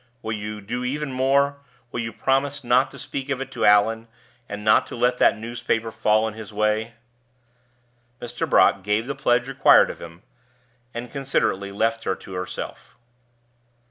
Will you do even more will you promise not to speak of it to Allan, and not to let that newspaper fall in his way?" Mr. Brock gave the pledge required of him, and considerately left her to herself.